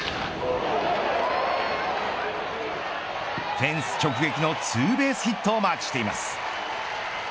フェンス直撃のツーベースヒットをマークしています。